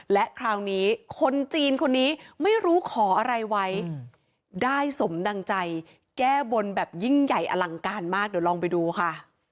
และคราวนี้คนจีนคนนี้ไม่รู้ขออะไรไว้ได้สมดังใจแก้บนแบบยิ่งใหญ่อลังการมากเดี๋ยวลองไปดูค่ะ